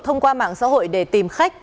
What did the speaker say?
thông qua mảng xã hội để tìm khách